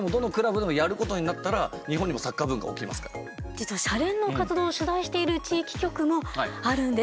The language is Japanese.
実はシャレン！の活動を取材している地域局もあるんです。